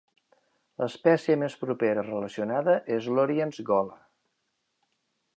"L'espècie més propera relacionada és l''Oriens gola'".